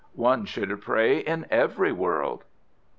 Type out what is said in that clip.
"One should pray in every world."